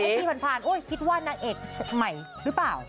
ปีผ่านคิดว่านางเอกใหม่หรือเปล่า